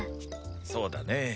そうだね。